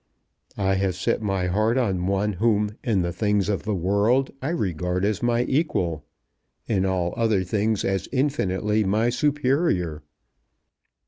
"I have set my heart on one whom in the things of the world I regard as my equal, in all other things as infinitely my superior."